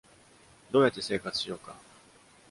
どうやって生活しようか？